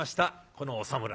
このお侍。